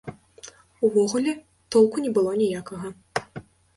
Увогуле, толку не было ніякага.